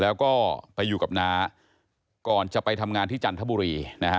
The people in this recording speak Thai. แล้วก็ไปอยู่กับน้าก่อนจะไปทำงานที่จันทบุรีนะฮะ